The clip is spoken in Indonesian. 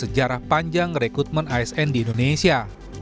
sejarah panjang rekrutmen asn di indonesia